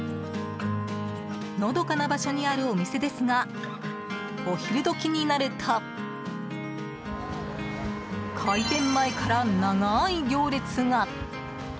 のどかな場所にあるお店ですがお昼時になると開店前から長い行列が。